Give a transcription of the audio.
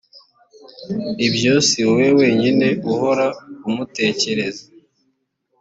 ibyo si wowe wenyine uhora umutekereza